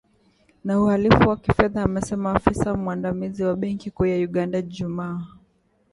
na uhalifu wa kifedha amesema afisa mwandamizi wa benki kuu ya Uganda Ijumaa